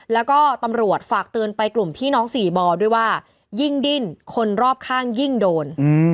แล้วก็ตำรวจฝากเตือนไปกลุ่มพี่น้องสี่บ่อด้วยว่ายิ่งดิ้นคนรอบข้างยิ่งโดน